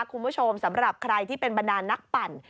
คุณผู้ชมสำหรับใครที่เป็นบรรดานักปั่น